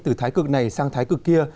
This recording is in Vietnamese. từ thái cực này sang thái cực kia